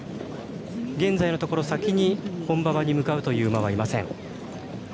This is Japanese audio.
現在のところ先に本馬場に向かうという馬はいません。